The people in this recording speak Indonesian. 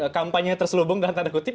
kampanye terselubung dalam tanda kutip